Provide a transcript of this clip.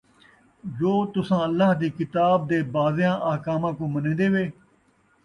جو تُساں اللہ دِی کتاب دے بعضیاں احکاماں کوں منیندے وے،